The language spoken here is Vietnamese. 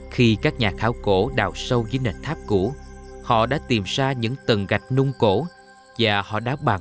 khi các nhà kháo cổ đào sâu dưới nền tháp cũ họ đã tìm ra những tầng gạch nung cổ và họ đã bàn